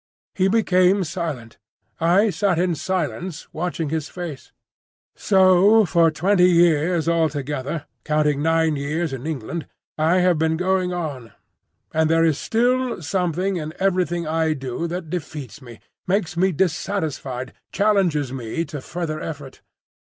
He became silent. I sat in silence watching his face. "So for twenty years altogether—counting nine years in England—I have been going on; and there is still something in everything I do that defeats me, makes me dissatisfied, challenges me to further effort.